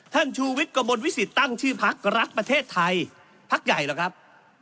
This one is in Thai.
ชูวิทย์กระมวลวิสิตตั้งชื่อพักรักประเทศไทยพักใหญ่หรอกครับ